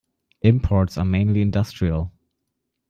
Imports are mainly industrial.